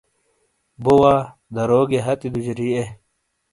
بو وا درو گئیے ہتی دُوجاری اے۔